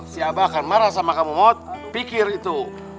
si aba akan marah sama kamu mot pikir itu